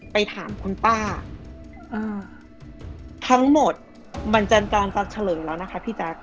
ไปถามคุณป้าทั้งหมดมันจัดการฟังเฉลยแล้วนะคะพี่แจ๊ค